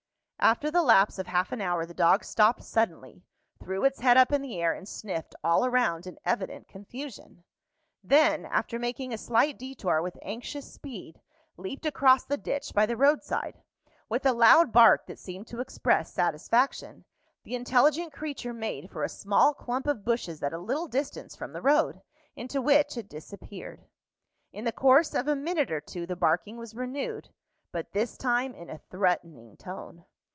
After the lapse of half an hour the dog stopped suddenly, threw its head up in the air, and sniffed all around in evident confusion; then, after making a slight detour with anxious speed, leaped across the ditch by the road side. With a loud bark that seemed to express satisfaction, the intelligent creature made for a small clump of bushes at a little distance from the road, into which it disappeared. In the course of a minute or two the barking was renewed, but this time in a threatening tone.